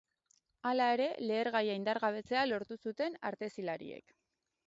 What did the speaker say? Hala ere, lehergaia indargabetzea lortu zuten artezilariek.